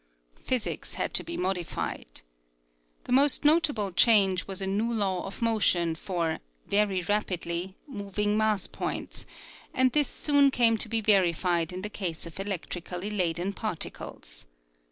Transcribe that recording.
Physics had to be modified. The most notable change was a new law of motion for (very rapidly) moving mass points, and this soon came to be verified in the case of electrically laden particles.